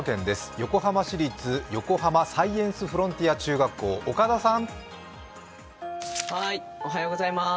横浜市立横浜サイエンスフロンティア中学校、岡田さん。